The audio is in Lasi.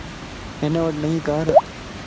ھن وٽ نئين ڪار